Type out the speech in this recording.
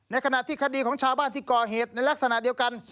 ขณะที่คดีของชาวบ้านที่ก่อเหตุในลักษณะเดียวกัน